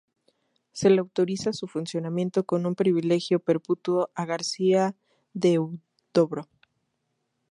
Se le autoriza su funcionamiento con un privilegio perpetuo a García de Huidobro.